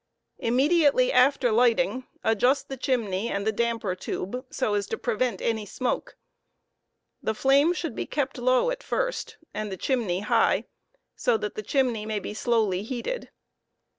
Immediately after lighting, adjust the chimney and the damper tube jo as to prevent any smoke. The flame should be kept low at first and the chim ney Ugh, so that the chimney may be slowly heated.